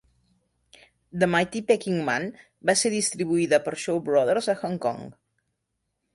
"The Mighty Peking Man" va ser distribuïda per Shaw Brothers a Hong Kong.